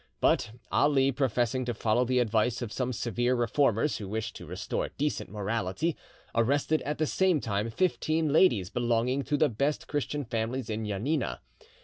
But Ali, professing to follow the advice of some severe reformers who wished to restore decent morality, arrested at the same time fifteen ladies belonging to the best Christian families in Janina.